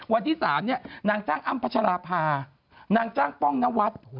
วันที่๓นางจ้างอ้ำพัชราพานางจ้างป้องนวัตน์